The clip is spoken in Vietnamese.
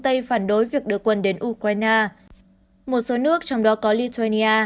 tây phản đối việc đưa quân đến ukraine một số nước trong đó có italia